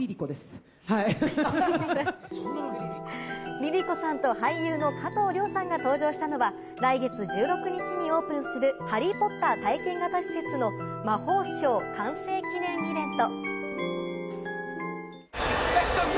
ＬｉＬｉＣｏさんと俳優の加藤諒さんが登場したのは、来月１６日にオープンするハリー・ポッター体験型施設の魔法省完成記念イベント。